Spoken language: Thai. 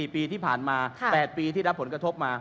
๔ปีที่ผ่านมา๘ปีที่รับผลกระทบมา